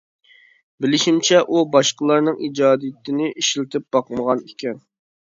بىلىشىمچە، ئۇ باشقىلارنىڭ ئىجادىيىتىنى ئىشلىتىپ باقمىغان ئىكەن.